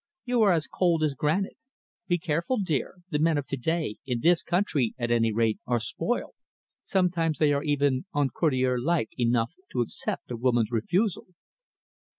You are as cold as granite. Be careful, dear. The men of to day, in this country, at any rate, are spoilt. Sometimes they are even uncourtier like enough to accept a woman's refusal."